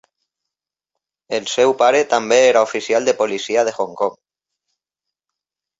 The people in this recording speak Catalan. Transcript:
El seu pare també era oficial de policia de Hong Kong.